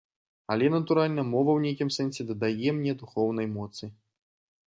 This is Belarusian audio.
Але, натуральна, мова ў нейкім сэнсе дадае мне духоўнай моцы.